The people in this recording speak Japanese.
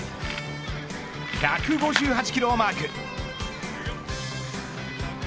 １５８キロをマーク。